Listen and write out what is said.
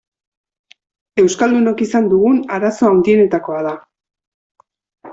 Euskaldunok izan dugun arazo handienetakoa da.